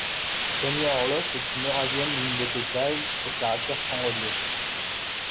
Tania Orloff est une eurasienne d'une beauté sage, au caractère sans reliefs.